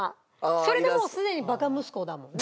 それでもうすでにバカ息子だもんね。